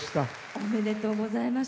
おめでとうございます。